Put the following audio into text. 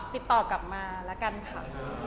ติดต่อกลับมาแล้วกันค่ะ